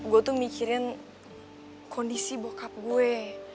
gue tuh mikirin kondisi bokap gue